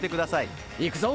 いくぞ！